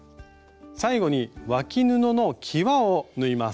最後にわき布のきわを縫います。